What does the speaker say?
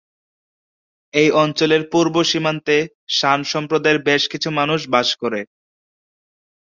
এই অঞ্চলের পূর্ব সীমান্তে শান সম্প্রদায়ের বেশ কিছু মানুষ বাস করে।